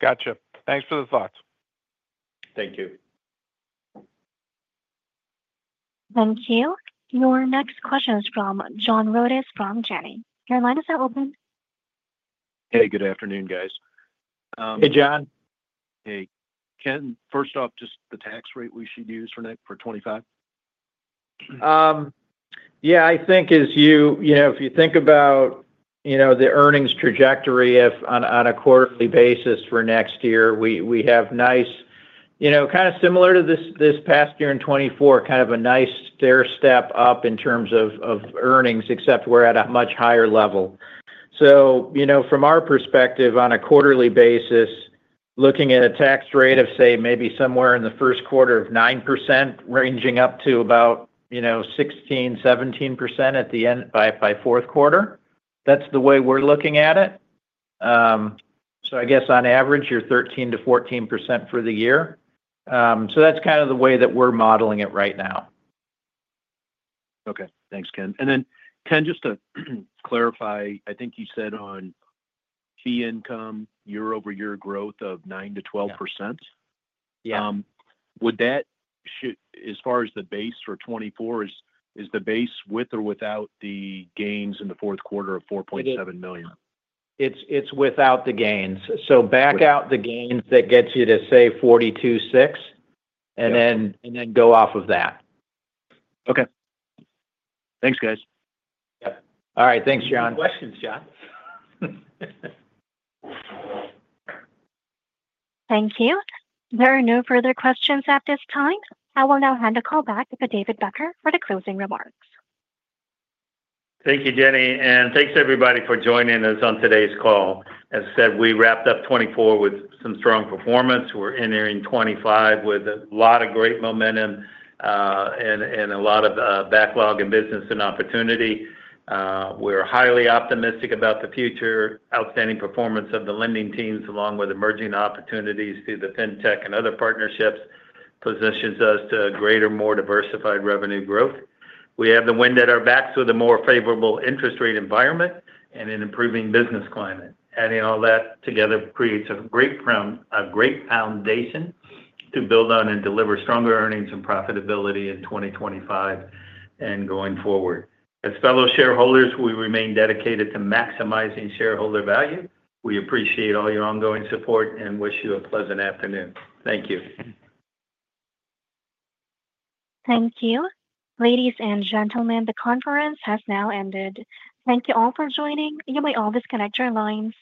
Gotcha. Thanks for the thoughts. Thank you. Thank you. Your next question is from John Rodis from Janney. Jerelyn, is that open? Hey, good afternoon, guys. Hey, John. Hey, Ken. First off, just the tax rate we should use for 2025? Yeah, I think if you think about the earnings trajectory on a quarterly basis for next year, we have nice kind of similar to this past year in 2024, kind of a nice stair step up in terms of earnings, except we're at a much higher level. So from our perspective, on a quarterly basis, looking at a tax rate of, say, maybe somewhere in the first quarter of 9%, ranging up to about 16%-17% by fourth quarter, that's the way we're looking at it. So I guess on average, you're 13%-14% for the year. So that's kind of the way that we're modeling it right now. Okay. Thanks, Ken. And then, Ken, just to clarify, I think you said on non-interest income, year-over-year growth of 9%-12%. Would that, as far as the base for 2024, is the base with or without the gains in the fourth quarter of $4.7 million? It's without the gains. So back out the gains that gets you to, say, $42.6 million, and then go off of that. Okay. Thanks, guys. All right. Thanks, John. Any questions, John? Thank you. There are no further questions at this time. I will now hand the call back to David Becker for the closing remarks. Thank you, Jenny, and thanks, everybody, for joining us on today's call. As I said, we wrapped up 2024 with some strong performance. We're entering 2025 with a lot of great momentum and a lot of backlog in business and opportunity. We're highly optimistic about the future. Outstanding performance of the lending teams, along with emerging opportunities through the fintech and other partnerships, positions us to greater, more diversified revenue growth. We have the wind at our backs with a more favorable interest rate environment and an improving business climate. Adding all that together creates a great foundation to build on and deliver stronger earnings and profitability in 2025 and going forward. As fellow shareholders, we remain dedicated to maximizing shareholder value. We appreciate all your ongoing support and wish you a pleasant afternoon. Thank you. Thank you. Ladies and gentlemen, the conference has now ended. Thank you all for joining. You may all disconnect your lines.